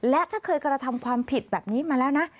และถ้าเคยกระทำความผิดแบบนี้มาแล้วนะ